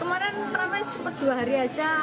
kemarin teramai sempat dua hari aja